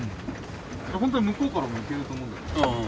本当は向こうからも行けると思うんだよね。